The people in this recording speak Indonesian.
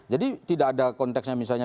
jadi tidak ada konteksnya misalnya